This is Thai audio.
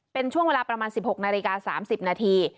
เป็นช่วงเวลาประมาณ๑๖นาฬิกา๓๐นาที